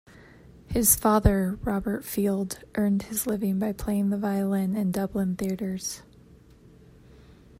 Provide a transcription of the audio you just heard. His father, Robert Field, earned his living by playing the violin in Dublin theatres.